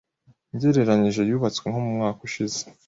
ngereranyije yubatswe nko mumwaka ushize